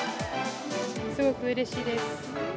すごくうれしいです。